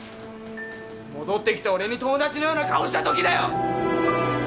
戻ってきた俺に友だちのような顔した時だよ